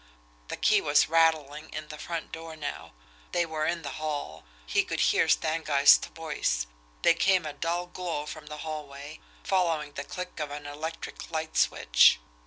The key was rattling in the front door now they were in the hall he could hear Stangeist's voice there came a dull glow from the hallway, following the click of an electric light switch.